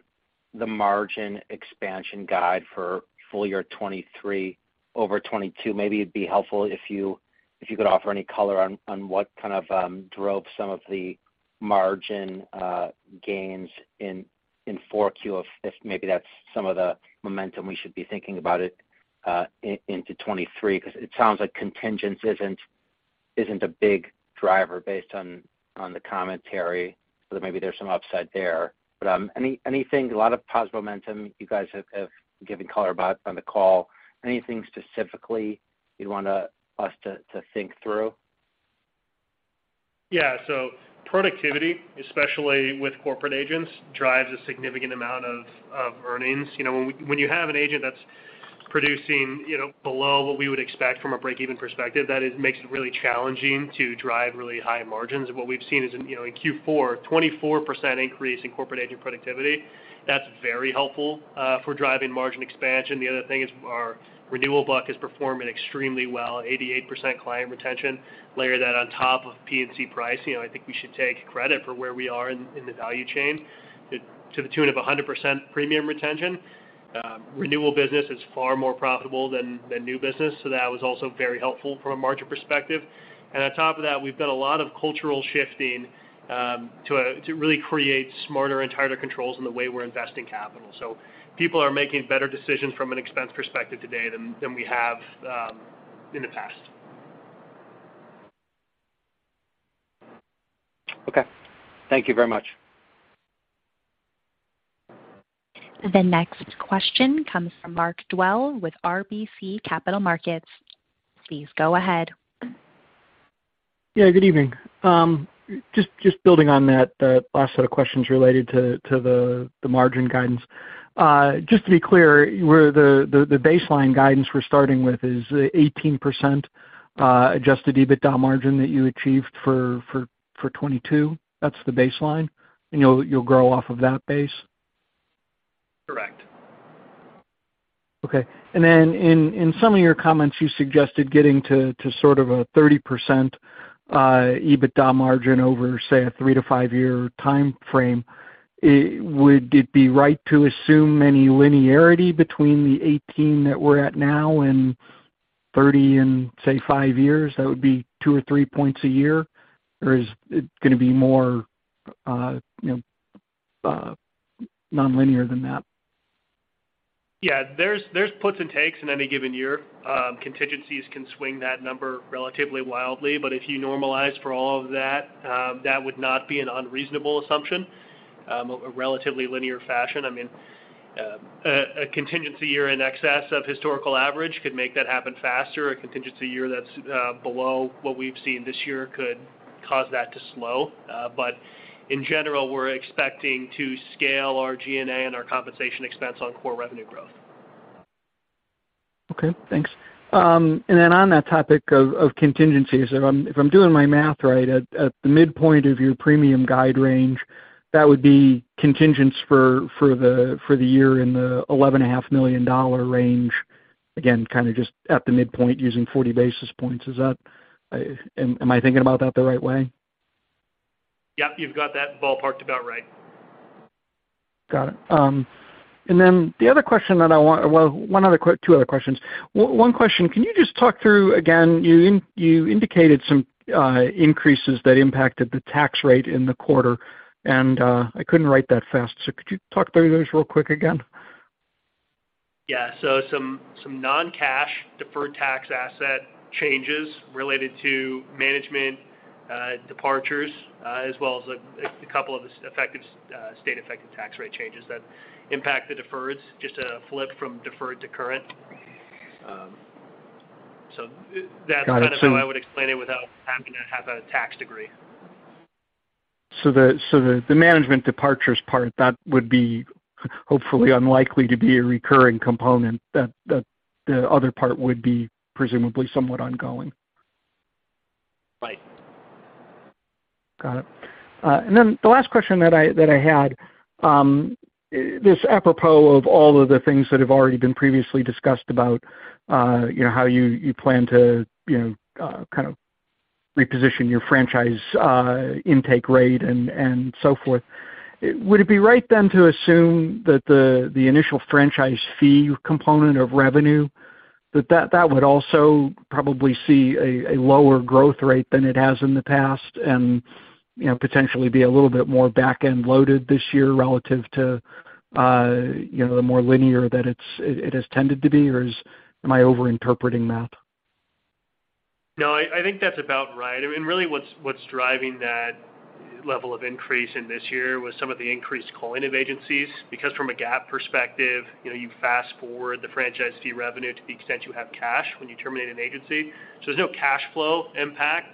J: margin expansion guide for full year 2023 over 2022. Maybe it'd be helpful if you could offer any color on what kind of drove some of the margin gains in 4Q, if maybe that's some of the momentum we should be thinking about into 2023 'cause it sounds like contingence isn't a big driver based on the commentary, so that maybe there's some upside there. Anything. A lot of positive momentum you guys have given color about on the call. Anything specifically you'd want us to think through?
D: Productivity, especially with corporate agents, drives a significant amount of earnings. You know, when you have an agent that's producing, you know, below what we would expect from a break-even perspective, that it makes it really challenging to drive really high margins. What we've seen is in, you know, in Q4, 24% increase in corporate agent productivity. That's very helpful for driving margin expansion. The other thing is our renewal book is performing extremely well, 88% client retention. Layer that on top of P&C pricing, I think we should take credit for where we are in the value chain to the tune of 100% premium retention. Renewal business is far more profitable than new business. That was also very helpful from a margin perspective. On top of that, we've done a lot of cultural shifting, to really create smarter and tighter controls in the way we're investing capital. People are making better decisions from an expense perspective today than we have, in the past.
E: Okay. Thank you very much.
A: The next question comes from Mark Dwelle with RBC Capital Markets. Please go ahead.
K: Yeah, good evening. Just building on that, the last set of questions related to the margin guidance. Just to be clear, where the baseline guidance we're starting with is 18% adjusted EBITDA margin that you achieved for 2022, that's the baseline, and you'll grow off of that base?
E: Correct.
K: Okay. In some of your comments, you suggested getting to sort of a 30% EBITDA margin over, say, a three-five year timeframe. Would it be right to assume any linearity between the 18 that we're at now and 30 in, say, five years, that would be two or three points a year? Is it gonna be more, you know, nonlinear than that?
E: Yeah. There's, there's puts and takes in any given year. Contingencies can swing that number relatively wildly, but if you normalize for all of that would not be an unreasonable assumption, a relatively linear fashion. I mean, a contingency year in excess of historical average could make that happen faster. A contingency year that's below what we've seen this year could cause that to slow. In general, we're expecting to scale our G&A and our compensation expense on core revenue growth.
K: Okay, thanks. On that topic of contingencies, if I'm doing my math right, at the midpoint of your premium guide range, that would be contingents for the year in the 11 a half million dollar range. Again, kinda just at the midpoint using 40 basis points. Is that? Am I thinking about that the right way?
E: Yeah, you've got that ballparked about right.
K: Got it. Well, two other questions. One question, can you just talk through again, you indicated some increases that impacted the tax rate in the quarter, and I couldn't write that fast. Could you talk through those real quick again?
E: Yeah. Some non-cash deferred tax asset changes related to management departures, as well as a couple of effective state effective tax rate changes that impact the deferreds, just a flip from deferred to current. That's-
K: Got it.
E: kind of how I would explain it without having to have a tax degree.
K: The management departures part, that would be hopefully unlikely to be a recurring component, that the other part would be presumably somewhat ongoing.
E: Right.
K: Got it. The last question that I had, this apropos of all of the things that have already been previously discussed about, you know, how you plan to, you know, kind of reposition your franchise, intake rate and so forth. Would it be right then to assume that the initial franchise fee component of revenue, that would also probably see a lower growth rate than it has in the past and, you know, potentially be a little bit more back-end loaded this year relative to, you know, the more linear that it has tended to be, or is, am I over-interpreting that?
E: I think that's about right. I mean, really what's driving that level of increase in this year was some of the increased culling of agencies, because from a GAAP perspective, you know, you fast-forward the franchise fee revenue to the extent you have cash when you terminate an agency. There's no cash flow impact,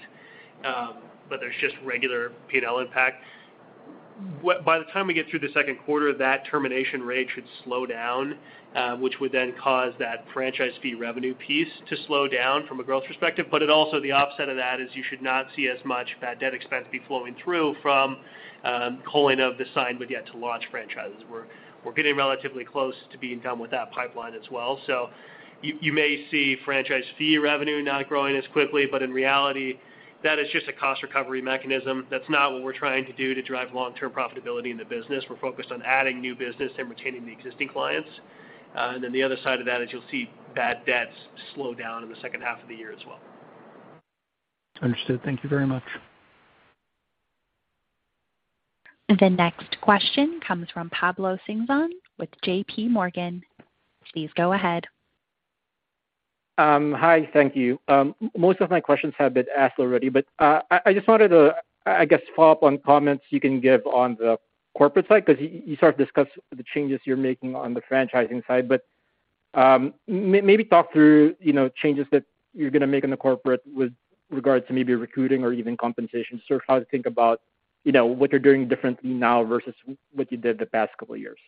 E: but there's just regular P&L impact. By the time we get through the second quarter, that termination rate should slow down, which would then cause that franchise fee revenue piece to slow down from a growth perspective. It also, the offset of that is you should not see as much bad debt expense be flowing through from culling of the signed but yet to launch franchises. We're getting relatively close to being done with that pipeline as well. You may see franchise fee revenue not growing as quickly, but in reality, that is just a cost recovery mechanism. That's not what we're trying to do to drive long-term profitability in the business. We're focused on adding new business and retaining the existing clients. The other side of that is you'll see bad debts slow down in the H2 of the year as well.
K: Understood. Thank you very much.
A: The next question comes from Pablo Singzon with JPMorgan. Please go ahead.
L: Hi. Thank you. Most of my questions have been asked already, but I just wanted to, I guess, follow up on comments you can give on the corporate side because you sort of discussed the changes you're making on the franchising side. Maybe talk through, you know, changes that you're gonna make in the corporate with regards to maybe recruiting or even compensation. How to think about, you know, what you're doing differently now versus what you did the past couple of years.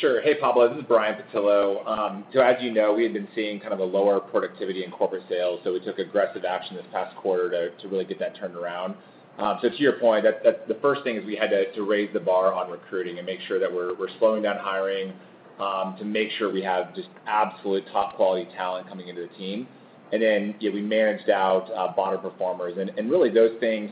M: Sure. Hey, Pablo. This is Brian Pattillo. As you know, we had been seeing kind of a lower productivity in corporate sales, we took aggressive action this past quarter to really get that turned around. To your point, the first thing is we had to raise the bar on recruiting and make sure that we're slowing down hiring to make sure we have just absolute top-quality talent coming into the team. Then, yeah, we managed out bottom performers. Really those things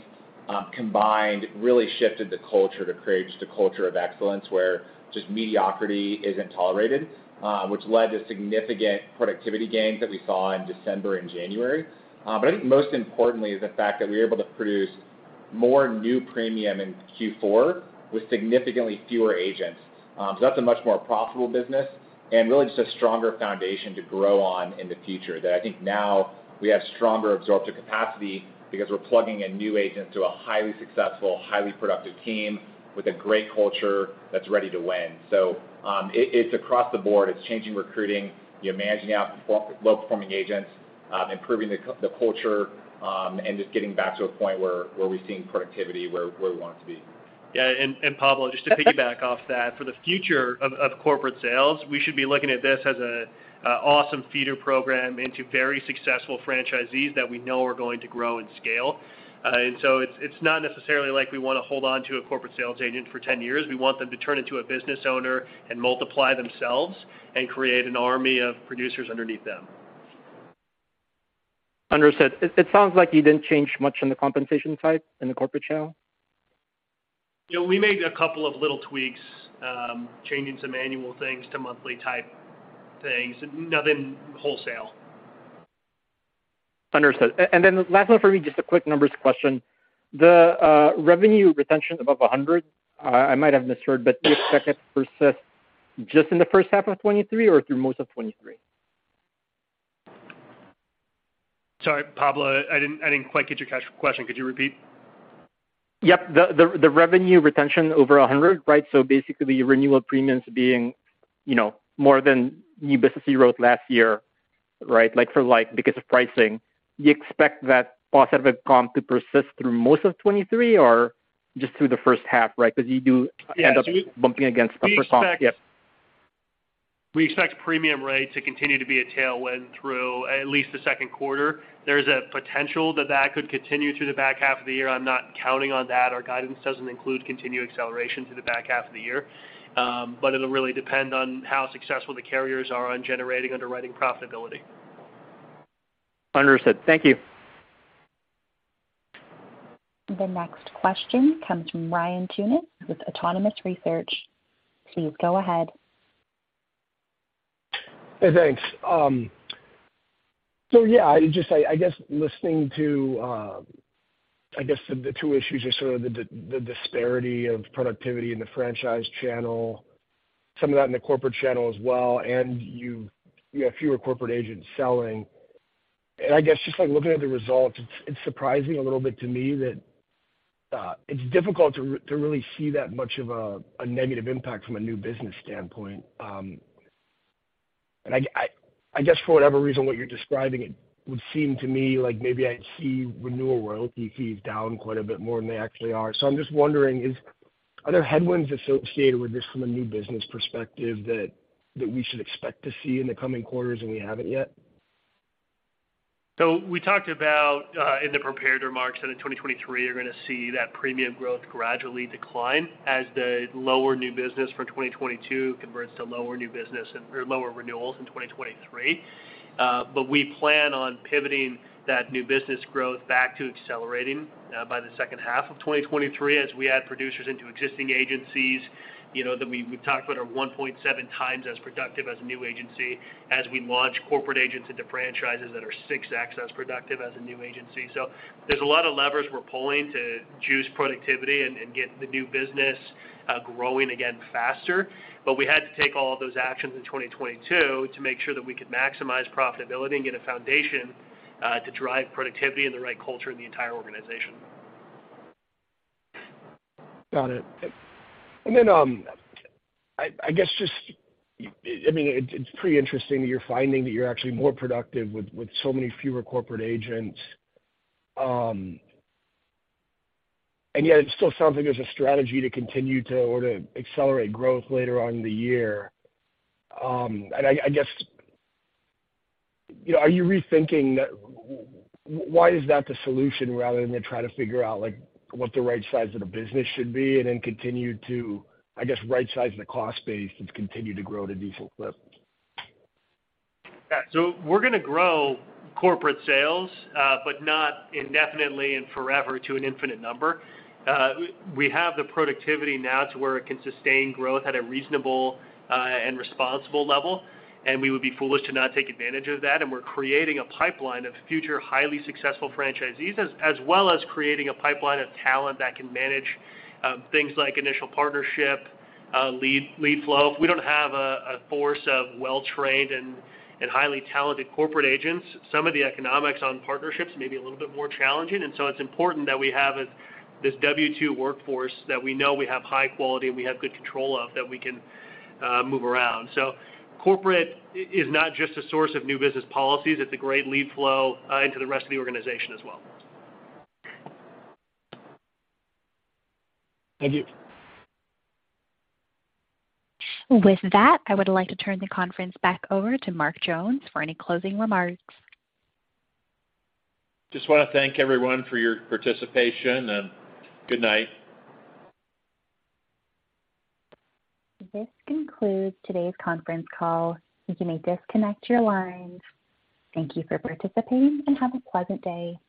M: combined really shifted the culture to create just a culture of excellence where just mediocrity isn't tolerated, which led to significant productivity gains that we saw in December and January. I think most importantly is the fact that we were able to produce more new premium in Q4 with significantly fewer agents. That's a much more profitable business and really just a stronger foundation to grow on in the future that I think now we have stronger absorptive capacity because we're plugging in new agents to a highly successful, highly productive team with a great culture that's ready to win. It's across the board. It's changing recruiting, you're managing out low-performing agents, improving the culture, and just getting back to a point where we're seeing productivity where we want it to be.
E: Yeah. Pablo, just to piggyback off that, for the future of corporate sales, we should be looking at this as an awesome feeder program into very successful franchisees that we know are going to grow and scale. It's not necessarily like we wanna hold onto a corporate sales agent for 10 years. We want them to turn into a business owner and multiply themselves and create an army of producers underneath them.
L: Understood. It sounds like you didn't change much on the compensation side in the corporate channel.
E: You know, we made a couple of little tweaks, changing some annual things to monthly-type things. Nothing wholesale.
L: Understood. Last one for me, just a quick numbers question. The revenue retention above 100, I might have misheard, do you expect that to persist just in the H1 of 2023 or through most of 2023?
E: Sorry, Pablo, I didn't quite get your question. Could you repeat?
L: Yep. The revenue retention over 100, right? Basically, renewal premiums being, you know, more than new business you wrote last year, right? Like, because of pricing. You expect that positive comp to persist through most of 2023 or just through the H1, right? 'Cause you do.
E: Yeah.
L: end up bumping against the H1. Yep.
E: We expect premium rate to continue to be a tailwind through at least the second quarter. There's a potential that that could continue through the back half of the year. I'm not counting on that. Our guidance doesn't include continued acceleration through the back half of the year. It'll really depend on how successful the carriers are on generating underwriting profitability.
L: Understood. Thank you.
A: The next question comes from Ryan Tunis with Autonomous Research. Please go ahead.
N: Hey, thanks. Yeah, I just, I guess listening to, I guess the two issues are sort of the disparity of productivity in the franchise channel, some of that in the corporate channel as well, and you have fewer corporate agents selling. I guess just, like, looking at the results, it's surprising a little bit to me that, it's difficult to really see that much of a negative impact from a new business standpoint. I guess for whatever reason, what you're describing, it would seem to me like maybe I'd see renewal royalties down quite a bit more than they actually are. I'm just wondering, are there headwinds associated with this from a new business perspective that we should expect to see in the coming quarters and we haven't yet?
E: We talked about in the prepared remarks that in 2023 you're gonna see that premium growth gradually decline as the lower new business for 2022 converts to lower new business or lower renewals in 2023. We plan on pivoting that new business growth back to accelerating by the H2 of 2023 as we add producers into existing agencies, you know, that we've talked about are 1.7 times as productive as a new agency as we launch corporate agents into franchises that are 6x as productive as a new agency. There's a lot of levers we're pulling to juice productivity and get the new business growing again faster. We had to take all of those actions in 2022 to make sure that we could maximize profitability and get a foundation to drive productivity and the right culture in the entire organization.
N: Got it. Then, I guess just, I mean, it's pretty interesting that you're finding that you're actually more productive with so many fewer corporate agents. Yet it still sounds like there's a strategy to continue to or to accelerate growth later on in the year. I guess, you know, are you rethinking why is that the solution rather than to try to figure out, like, what the right size of the business should be and then continue to, I guess, right size the cost base and continue to grow at a decent clip?
E: Yeah. We're gonna grow corporate sales, but not indefinitely and forever to an infinite number. We have the productivity now to where it can sustain growth at a reasonable and responsible level, and we would be foolish to not take advantage of that. We're creating a pipeline of future highly successful franchisees as well as creating a pipeline of talent that can manage things like initial partnership, lead flow. If we don't have a force of well-trained and highly talented corporate agents, some of the economics on partnerships may be a little bit more challenging. It's important that we have this W-2 workforce that we know we have high quality and we have good control of, that we can move around. corporate is not just a source of new business policies, it's a great lead flow into the rest of the organization as well.
N: Thank you.
A: With that, I would like to turn the conference back over to Mark Jones for any closing remarks.
M: Just wanna thank everyone for your participation, and good night.
A: This concludes today's conference call. You may disconnect your lines. Thank you for participating, and have a pleasant day.